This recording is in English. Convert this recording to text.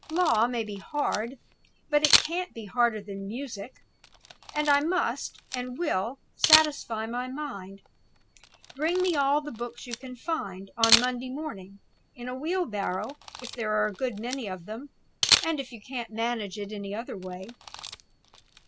Law may be hard, but it can't be harder than music; and I must, and will, satisfy my mind. Bring me all the books you can find, on Monday morning in a wheelbarrow, if there are a good many of them, and if you can't manage it in any other way."